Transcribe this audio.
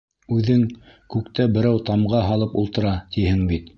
— Үҙең, күктә берәү тамға һалып ултыра, тиһең бит!